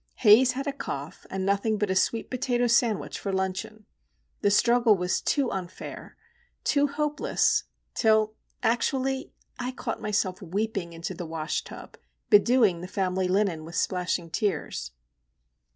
Haze had a cough, and nothing but a sweet potato sandwich for luncheon,—the struggle was too unfair, too hopeless!—till, actually, I caught myself weeping into the washtub, bedewing the family linen with splashing tears.